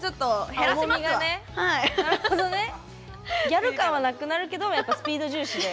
ギャル感はなくなるけどやっぱスピード重視で。